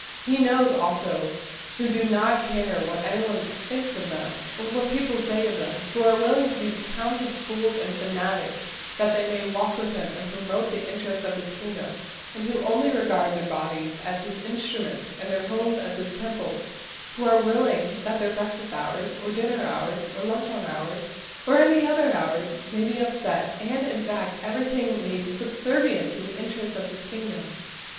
He knows, also, who do not care what anybody thinks of them, or what people say of them; who are willing to be counted fools and fanatics that they may walk with Him and promote the interests of His kingdom, and who only regard their bodies as His instruments and their homes as His temples; who are willing that their breakfast hours, or dinner hours, or luncheon hours, or any other hours may be upset, and, in fact, everything made subservient to the interests of His kingdom.